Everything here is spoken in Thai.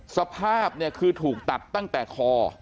สภาพเนี่ยคือถูกตัดตั้งแต่คอ